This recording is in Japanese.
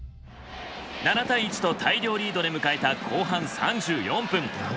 ７対１と大量リードで迎えた後半３４分。